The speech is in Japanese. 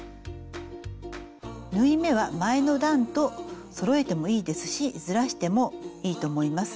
縫い目は前の段とそろえてもいいですしずらしてもいいと思います。